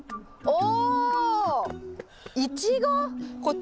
お。